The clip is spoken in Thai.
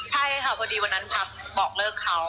ใช่ค่ะพอดีวันนั้นทักบอกเลิกเขา